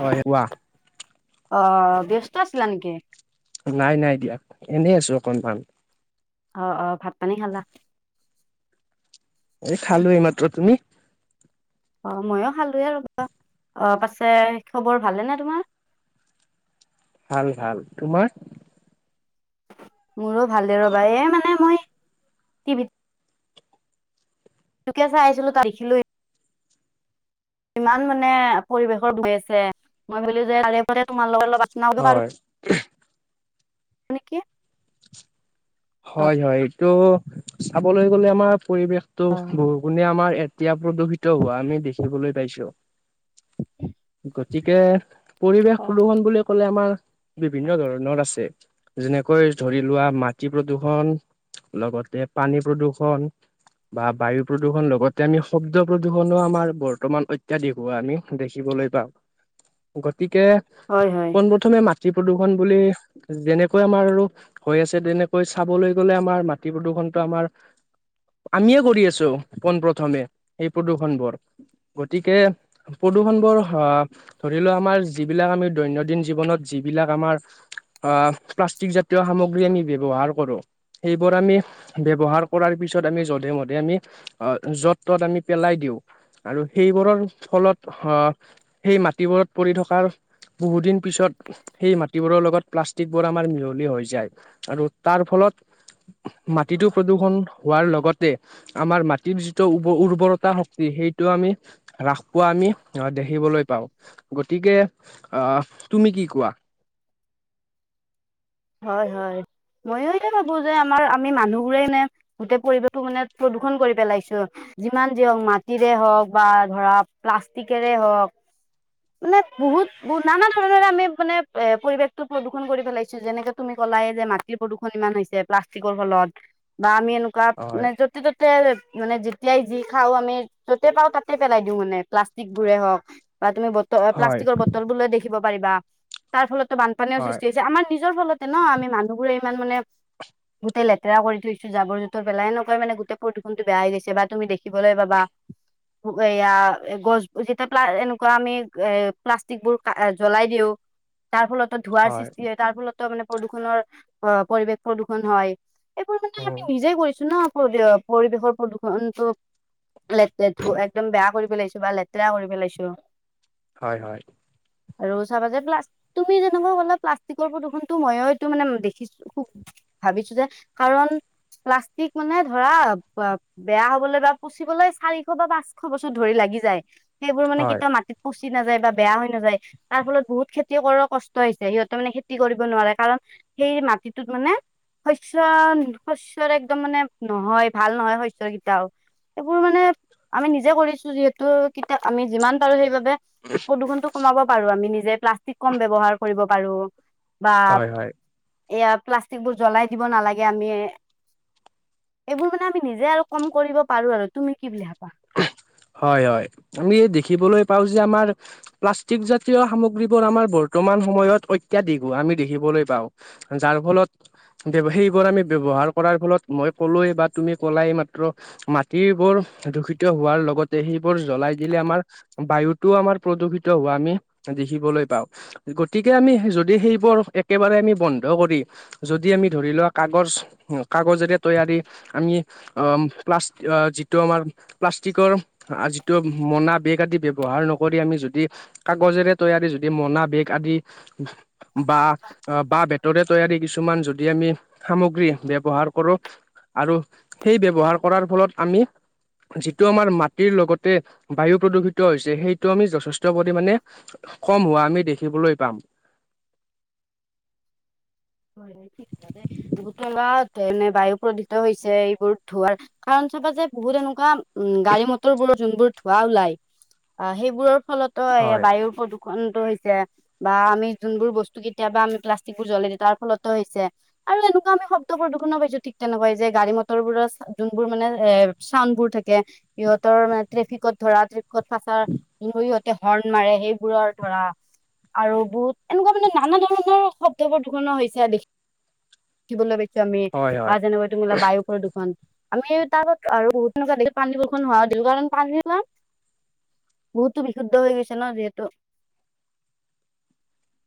হয়ৱ অ ব্যস্ত আছিলা নেকি নাই নাই দিয়া এনেই আছো অকনমান অ অ ভাত পানী খালা এই খালো এই মাত্ৰ তুমি অ ময়ো খালোে আৰু অ পাছে খবৰ ভালে ন তোমাৰ [inaudible] ভাল ভাল তোমাৰ মোৰো ভালে ৰবা এই মানে মই টিভিত তোকে চাই আছিলো দেখিলোৱেই ইমান মানে পৰিৱেশৰ দইছে মই ভাবিলো যে তাৰে তোমাৰ লগৰ হয় নেকি অ হয় হয় এইটো চাবলৈ গলে আমাৰ পৰিৱেশতটো বহুগুণে আমাৰ এতিয়া প্ৰদূষিত হোৱা আমি দেখিবলৈ পাইছো গতিকে পৰিৱেশ অ' প্ৰদূষণ বুলি ক'লে আমাৰ বিভিন্ন ধৰণৰ আছে যেনেকৈ ধৰি লোৱা ম খ্তি প্ৰদূৰ্ষণ লগতে পানী প্ৰদূৰ্ষণ বা বায়ু প্ৰদূৰণ লগতে আমি শব্দ প্ৰদূষণৰ আমাৰ বৰ্তমান অত্যাধিক হোৱা আমি দেখিব বলৈ পাম গতিকে হয় হয় পোনপথমে মা প্ৰদূৰ্ষণ বুলি যেনেকৈ আমাৰ আৰু হৈ আছে তেনে কৈচাবলৈ গ'লে আমাৰ মাটি প্ৰদূৰণটো আমাৰ আমিয়ে কৰি আছো পোন প্ৰথমে সেই প্ৰদূৰ্ষন বোৰ গতিকে প্ৰদূষণ বোৰ ধৰি লোৱা আমাৰ যিবিলাক আমি দৈনন্দিন জীৱনত য এই বিলাক আমাৰ অ প্লাষ্টিক জাতীয় সামগ্ৰী [unintelligible] ব্যৱহাৰ কৰো সেইবোৰ আমি ব্যৱহাৰ কৰাৰ পিছত আমি যধে মধে আমি য'ত তত আমি পেলাই দিওঁ আৰু সেইবোৰৰ ফলত আহ সেই মাটিবোৰত পৰি থকাৰ বহু দিন পিছত সেই মাটিবোৰৰ লগত প্লাষ্টিকবোৰ আমাৰ মিহলি হৈ যায় আৰু তাৰ ফলত মাটিটো প্ৰদূষণ হোৱাৰ লগত আতে আমাৰ মাটিৰ যিটো উ উৰ্বৰতা শক্তি সেইটো আমি হ্ৰাস পোৱা আমি। দেখিবলৈ পাওঁ গতিকে আহ তুমি কি কোৱা? হয় হয়। ময়ো এতিয়া ভাবো যে আমাৰ আমি মানুহবোৰেই নে গোটেই পৰিৱেশো মানে প্ৰদূষণ কৰি পেলাইছো। যিমান যি হওক মাটিৰে হওক, বা ধৰা প্লাষ্টিকেৰে হওক, মানে বহুত ব নানা ধৰণৰে আমি মানে এ পৰিৱেশতটো প্ৰদূষণ কৰি পেলাইছো, যেনেকে তুমি কলাই যে মাটিৰ প্ৰদূষণ ইমান হৈছে প্লাষ্টিকৰ ফলত বা আমি হয় মানে যতে' ত'তে মানে যেতিয়াই যি খাও আমি য'তে পাওঁ তাতে পেলাই দিওঁ মানে প্লাষ্টিক বোৰে হওক। বা তুমি বটল হয় প্লাষ্টিকৰ বটল টু দেখিব পাৰিবা তাৰ ফলতো বানপানীও হয় সৃষ্টি হৈছে, আমাৰ নিৰ ফলতে ন আমি মানুহবোৰে ইমান মানে গোটৈ লেতেৰা কৰি থৈছো জাবৰ জোতৰ পেলাই একৈ মানে গোটে প্ৰদূষণৰ বেয়া হৈ গৈছে তু দেখি [unintelligible] পাবা। এয়া গছ যেতিয়া প্লাএনেকুৱা আমি এ প্লাষ্টিকবোৰ জ্বলাই দিওঁ। তাৰ ফলতো ধোঁৱাৰ সৃষ্টি হয় তাৰ ফলতো মানে প্ৰদূষণৰ অ পৰিৱেশ প্ৰদূষণ হয়। এইবোৰ মানে উম আমি নিজেই কৰিছো ন পৰিবেশৰ প্ৰদূষণতটো। লেতেৰাটো একদম বেয়া কৰি পেলাইছো বা লেতেৰা কৰি পেলাইছো। হয় হয়। আৰু চাবা যে পা তুমি যেকুৱাল প্লা। তিকৰ প্ৰদূষণটো মই এইটো মানে দেখিছো খুব ভাবিছো যে কাৰণ, প্লাষ্টিক মানে ধৰা অ বেয়া হবলৈ বা পুচিবলৈ চাৰিশ বা পাঁচশ বছৰ ধৰি লাগে। সেইবোৰ মানে হয় কেতিয়া মাটিত, পচি নাযায় বা বেয়া হৈ নাযায় তাৰ ফলত বহুত খেতি কৰ কষ্ট হৈছে সিহঁতে মানে খে। কৰিব নোৱাৰে কাৰণ সেই মাটিটোত মানে, শস্য শস্যয়ৰ একদম মানে নহয়। ভাল নহয় শস্য কেইটাও। এইবোৰ মানে আমি নিজে কৰিছো যিহেতু কেতিয়া আমি যিমান পাৰো সেইবাবে, প্ৰদূষনটো কমাব পাৰো আমি নিজে প্লাষ্টিক কম ব্যৱহাৰ কৰিব পাৰো। বা হয় হয়। এয়া প্লাষ্টিক বোৰ জ্বলাই দিব নালাগে, আমি এইবোৰ মানে আমি নিজে আৰু কম কৰিব পাৰো আৰু তুমি কি বুলি ভাবা। হয় হয় আমি দেখিবলৈ পাও যে আমাৰ প্লাষ্টিক জাতীয় সামগ্ৰীবোৰ আমাৰ বৰ্তমান। বৰ্তমান সময়ত অত্যাধিকো আমি দেখিবলৈ পাওঁ যাৰ ফলত সেইবোৰ আমি ব্যৱহাৰ কৰাৰ ফলত মই ক'লোৱৱ বা তুমি ক'লাই মাত্ৰ মাটিবোৰ সেইটো হোৱাৰ লগতে সেইবোৰ জ্বলাই দিলে আমাৰ বায়ুতটোও আমাৰ প্ৰদূষিত হোৱা আমি দেখিবলৈ গতিকে আমি যদি সেইবোৰ একেবাৰে আমি বন্ধ কৰি যদি আমি ধৰি লোৱা। কাগজ কাগজেৰে তৈয়াৰী আমি প্লাষ্ট যিটো আমাৰ প্লাষ্টিকৰ যিটো মনা বেগ আদি ব্যয়ৱহাৰ নকৰি আমি যদি কাগজেৰে তৈয়াৰ, - যদি মনা বেগ আদি। বা বা বেতৰে তৈয়াৰী কিছুমান যদি আমি সামগ্ৰী ব্যৱহাৰ কৰোঁ। আৰু সেই ব্যৱহাৰ কৰাৰ ফলত আমি, যিটো আমাৰ মাটিৰ লগতে বায়ু প্ৰদূষিত হৈছে সেইটো আমি যথেষ্ট পৰিমমানে, কম হোৱা আমি দেখিবলৈ পাম। [unintelligible] ভোটোৱা এনে বায়ু প্ৰদূিত হৈছে এইবোৰ ধোৱাৰ কাৰণ, চাবা যে বহুত এনেকুৱা উম গাড়ী মটৰ বোৰৰ যোনবোৰ ধোৱাা ওলাই আহ সেইবোৰৰ, ফলতো এইয়া হয় বায়ুৰ প্ৰদূষণ, হৈছে বা আমি যোনবোৰ বস্তু কেতিয়াবা আমি প্লাষ্টিকোৰ, জ্বলোই দি, অ লত হৈছে আৰু এনেকুৱা আমি শব্ প্ৰদূষণো পাইছো ঠিক তেনেকুৱাই যে গাড়ী মটৰ বোৰৰ যোনবোৰ মানে, এ চাউডবোৰ থাকে সিহঁতৰ মানে ট্ৰেফিকত ধৰা ট্ৰেফিকত ফাচ ইহতে হৰ্ণ মাৰে সেইবোৰৰ ধৰা আৰু বহুত এনেকুৱা মানে নানা ধৰণৰ শব্দবোৰ ধুলণনা হৈছে দেখিবলৈ পাইছো আমি হয় বা হয় যেনেকৈ তোমাৰ বায়ু প্ৰদূষণ আমি তাৰ আৰু তেনেকুৱা পানী বৰষুণ হুৱ দিওঁ কাৰণ পানী বহুতো বিশুদ্ধ হৈ গৈছে ন যিহেতু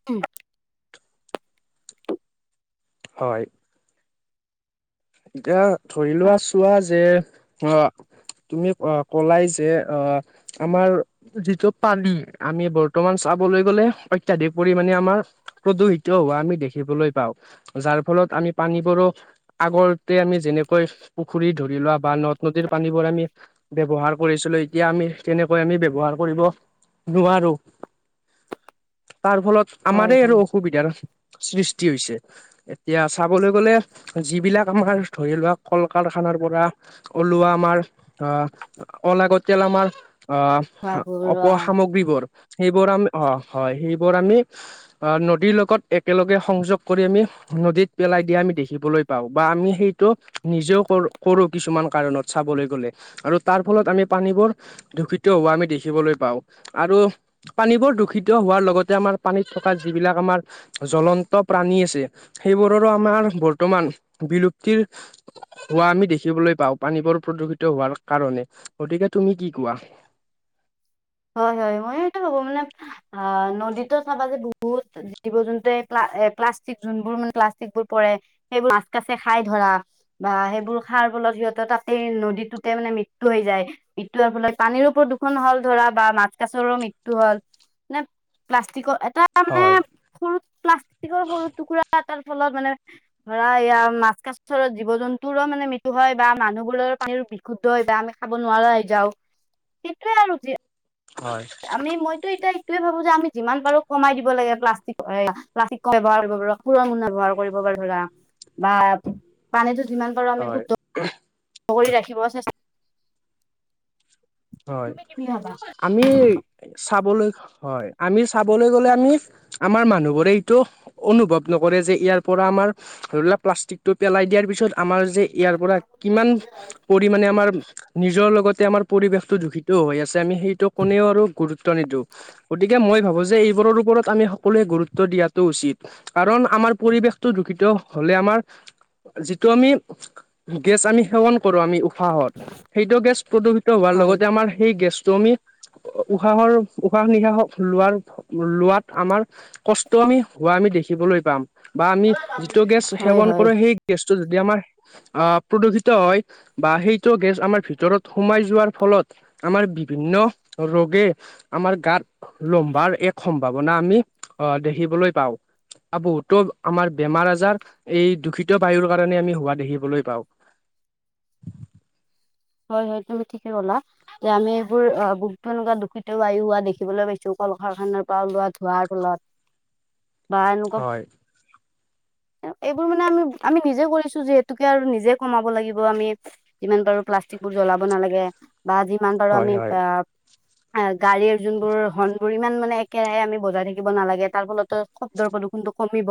উম হয় এতিয়া ধৰি লোৱা চোৱা যে অ। তুমি অ কলাই যে আহ আমাৰ। যিটো পানি আমি বৰ্তমান চাবলৈ গ'লে অত্যাধিক পৰিমণে আমাৰ প্ৰদূষিত হব- আমি দেখিবলৈ পাওঁ যাৰ ফলত আমি পানীবোৰো আগৰ আমি যেনেকৈ পুখুৰী ধৰি লোৱা বা নদ নদীৰ পানীবোৰ আমি ব্যৱহাৰ কৰিছিলো এতিয়া আমি তেনেকৈ আমি ব্যৱহাৰ কৰিব নোৱাৰো। তাৰ ফলত হয় আমাৰে আৰু হয় অসুবিধাৰ সৃষ্টি হৈছে এতিয়া চাবলৈ গলে যিবিলাক আমাৰ ধৰি লোৱা কল কাৰখানাৰ পৰা ওলোৱা আমাৰ অ অলাগতিয়াল। আমাৰ অ খোৱা অপ বোৱা সামগ্ৰীবোৰ সেইবোৰ আমি অ হয় সেইবোৰ আমি নদীৰ লগত একেলগে সংযোগ কৰি আমি নদীত পেলাই দিয়া আমি দেখিবলৈ পাওঁ। বা আমি সেইটো নিজেও কৰো কৰো কিছুমান কাৰণত চাবলৈ গ'লে আৰু তাৰ ফলত আমি পানী দূষিত হোৱা আমি দেখিবলৈ পাওঁ আৰু পানীবোৰ দূষিত, হোৱাৰ লগতে আমাৰ পানীত থকা যিবিলাক আমাৰ জ্বলন্ত প্ৰাণী আছে সেইবোৰৰো আমাৰ বৰ্তমান বিলুপ্তিৰ হোৱা আমি দেখিবলৈ পাওঁ পানীবোৰ প্ৰদূষিত হোৱাৰ কাৰণে গতিকে- তুমি কি কোৱা? [inaudible] হয় হয় মই সেইটো ভাবো মানে আ নদীতো চাবা যে বহুত জীৱ জন্তুৱে এ প্লাষ্টিক যোৰ মান প্লাক বোৰ প সেইবোৰ মাছ খাই ধৰা বা সেইবোৰ খ ফলত সিহঁত তাতেই নদীটোতে মানে মৃত্যু হৈ যায় মৃত্যু হোৱাৰ ফলত পানীৰোওদূষণ হ'ল ধৰা বা মাছ কাছৰ মৃত্যু হ'ল প্লাষ্টিক ধৰা মানে হয় সৰু প্লাষ্টিকৰ সৰু টুকুৰা তাৰ ফলত মানে ধৰা এৰা মাছ কছৰত জীৱ জন্তুৰো মানে মৃত্যু হয় বা মানুহবোৰৰে বিশুদ্ধ হয় বা আমি খাব নোৱাৰা হৈ যাও সেইটোয়ে আৰু হয় আমি মইতো এতিয়া সয়ে ভাবো যে আমি যিমান পাৰো কমাই দিব লাগে প্লাষ্টিক প্লাষ্টিক ব্যৱহাৰ কৰিব পাৰ পুৰনা ব্যৱহাৰ কৰিব ধৰা বা পানীটো যিমান পাৰো আমি হয় শুদ্ধ কৰি ৰাখিব চেষ্টা হয় তুমি কি বুলি ভাবা আমি চাবলৈ হয় আমি চাবলৈ গ'লে আমি আমাৰ মানুহবোৰে এইটো অনুভৱ নকৰে যে ইয়াৰ পৰা আমাৰ ধৰি লাৱা প্লাষ্টিক টো পেলাই দিয়াৰ পিছত আমাৰ যে ইয়াৰ পৰা কিমান পৰিমাণে আমাৰ নিজৰ লগতে আমাৰ পৰিৱেশ দূষিত হৈ আছে আমি সেইটো কোনেও আৰু গুৰুত্ব নিদিওঁ গতিকে মই ভাবো যে এইবোৰৰ ওপৰত আমি সকলোৱে গুৰুত্ব দিয়াটো উচিত কাৰণ আমাৰ পৰিৱেশটো দূষিত হলে আমাৰ যিটো আমি গেছ আমি সেৱন কৰো আমি সাঁহত সেইটো গেছ প্ৰদূষিত হোৱাৰ হয় লগত সেই গেছটো আমি উশাহৰ উশাহ নিশাহ লোৱাৰ লোৱাত আমাৰ কষ্ট আমি হোৱা আমি দেখিবলৈ পাম বা আমি যিটো গেছ হয় সেৱন হয় কৰো সেই গেছটো যদি আমাৰ আহ প্ৰদূষিত হয় বা সেইটো গেছ আমাৰ ভিতৰত সোমাই যোৱাৰ ফলত আমাৰ বিভিন্ন ৰোগে আমাৰ গাত লম্বাৰ এক সম্ভাৱনা আমি আহ দেখিবলৈ পাওঁ বহুতো আমাৰ বেমাৰ আজাৰ এই দূষিত বায়ুৰ কাৰণে আমি হোৱা দেখিবলৈ পাওঁ [unintelligible] হয় হয় তুমি ঠিকে কলা এ আমি এইবোৰ বুক এনেকুৱা দূষিত বায়ু হোৱা দেখিবলৈ পাইছো [unintelligible] পৰা ওলোৱা ধোঁৱাৰ ফলত বা এনেকুৱা হয় এইবোৰ মানে আমি আমি নিজে কৰিছো যিহেতুকে আৰু নিজে কমাব লাগিব আমি যিমান পাৰো প্লাষ্ট বোৰ জ্বলাব নালাগে বা যিমান পাৰো হয় আমি হয় অ গাড়ীৰ যোনবোৰ হৰ্ণবোৰ ইমান মানে একেৰাহে আমি বজাই থাকিব নালাগে তাৰ ফলত শব্ৰ প্ৰদূষণ কমিব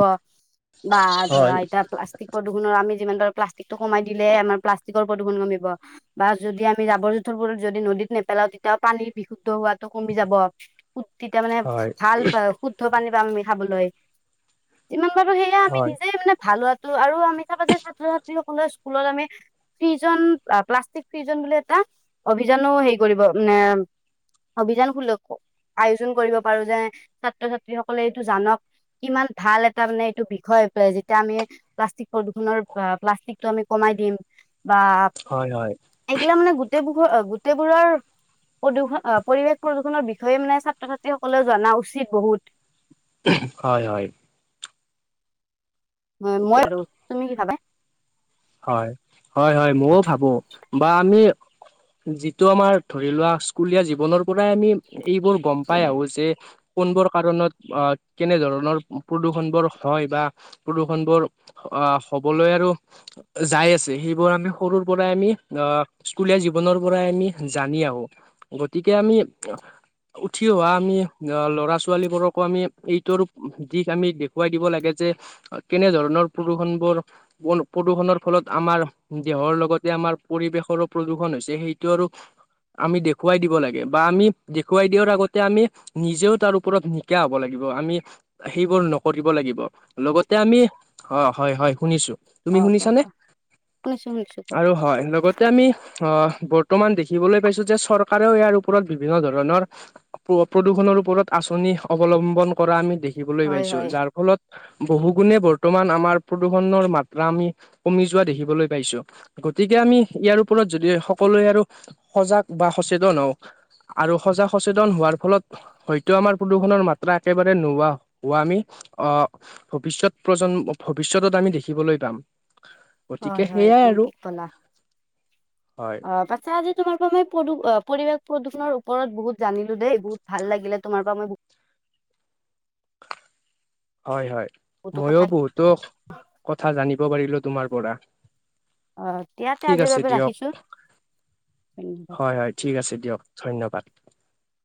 বা ধৰা হয় এতিয়া [unintelligible] যিমান পাৰো প্লাষ্টিকটো কমাই দিলে আমাৰ প্লাষ্টিকৰ প্ৰদূষণ কমিব বা যদি আমি জাবৰ জোঁথৰবোৰত যদি নদীত নেপেলাও তেতিয়া পানী বিশুদ্ধ হোৱাতটো কমি যাব তেতিয়া মানে হয় ভাল শুদ্ধ পানী পাম আমি খাবলৈ যিমান পাৰো সেয়া আমি হয় নিজে মানে ভাল হোৱা [unintelligible] ফিজন বুলে এটা অভিযানো হেৰি কৰিব মানে অভিযান সুলক্ষ আয়োজন কৰিব পাৰো যে ছাত্ৰ ছাত্ৰী সকলে এইটো জানক কিমান ভাল এটা মানে এইটো বিষয় যেতিয়া আমি প্লাষ্টিক প্ৰদূষণৰ প্লাষ্টিকটো আমি কমা দিম হয় হয় সেইগিলা মানে গোটেইবোৰৰ গোটেইবোৰৰ প্ৰদূষণ পৰিৱেশ প্ৰদূষণৰ বিষয়ে মানে ছাত্ৰ ছাত্ৰীসকলে জনা উচিত বহুত হয় হয় মইতো তুমি কি খাবা হয় হয় হয় মইও ভাবো বা আমি [unintelligible] যিটো আমাৰ ধৰি লোৱা স্কুলীয়া জীৱনৰ পৰাই আমি এইবোৰ গম পাই আহো যে কোনব কৰণত কেনেধৰণৰ প্ৰদূৰষণ বোৰ হয় বা প্ৰদূষণ বোৰ হ'বলৈ আৰু যাই আছে সেইবোৰ আমি সৰুৰ পৰাই আমি আহ স্কুলীয়া জীৱনৰ পৰাই আমি জানি আহো গতিকে আমি উঠি অহা আমি অ ল'ৰা ছোৱালীবোৰকো আমি এইটোৰ দিশ আমি দেখুৱাই দিব লাগে যে কেনেধৰণৰ প্ৰদূৰষণ বোৰ প্ৰদূষণৰ ফলত আমাৰ দেহৰ লগতে আমাৰ পৰিৱেশৰো প্ৰদূষন হৈছে সেইটো আৰু আমি দেখুৱাই দিব লাগে বা আমি দেখুৱাই দিয়াৰ আগতে আমি নিজেও তাৰ ওপৰত নিকা হব লাগিব আমি সেইবোৰ নকৰিব লাগিব লগতে আমি অ হয় হয় শুনিছো তুমি অ কোৱা শুনিছানে কোৱা শুনিছো শুনিছো কোৱা আৰু হয় লগতে আমি অ বৰ্তমান দেখিবলৈ পাইছো যে চৰকাৰেও ইয়াৰ ওপৰত বিভিন্ন ধৰণৰ প্ৰদূষণৰ ওপৰত আঁচনি অৱলম্বন কৰা আমি দেখ দেখিবলৈ হয় পাইছো হয় যাৰ ফলত বহু গুণে বৰ্তমান আমাৰ প্ৰদূষণৰ মাত্ৰা আমি কমি যোৱা দেখিবলৈ পাইছো গতিকে আমি ইয়াৰ ওপৰত যদি সকলোৱে আৰু সজাগ বা সচেতন হ ওঁ আৰু সজাগ সচেতন হোৱাৰ ফলত হয়তো আমাৰ প্ৰদূষণৰ মাত্ৰা একেবাৰে নোহোৱা হোৱা আমি আহ ভৱিষ্যত প্ৰজন্ম ভৱিষ্যতত আমি দেখিবলৈ পাম গতিকে হয় হয় সেইয়াই তুমি আৰু ঠিক কলা হয় অ পাছা আজি তোমাৰ পৰা মই প পৰিৱেশ প্ৰদূষৰ ওপৰত বহুত জানিলো দেই বহুত ভাল লাগিলে তোমাৰ পৰা মই হয় হয় বহুতো কথা ময়ো বহুতো কথা জানিব পাৰিলো তোমাৰ পৰা অ', ইয়াতে ঠিক আজিৰ আছে বাবে ৰাখিছোঁ। দিয়ক হয় হয় ঠিক আছে দিয়ক ধন্যবাদ